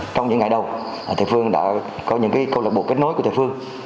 trong những ngày đầu thầy phương đã có những câu lạc bộ kết nối của thầy phương